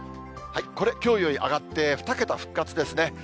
これ、きょうより上がって２桁復活ですね。